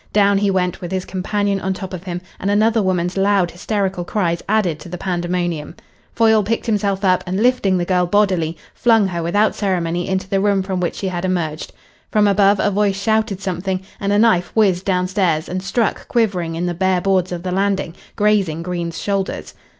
Down he went, with his companion on top of him, and another woman's loud hysterical cries added to the pandemonium. Foyle picked himself up and, lifting the girl bodily, flung her without ceremony into the room from which she had emerged. From above a voice shouted something, and a knife whizzed downwards and struck quivering in the bare boards of the landing, grazing Green's shoulders.